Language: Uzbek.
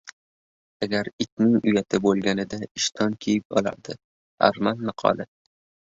Agar itning uyati bo‘lganida ishton kiyib olardi. Arman maqoli